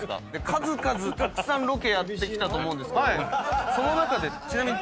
数々たくさんロケやってきたと思うんですけどその中でちなみに。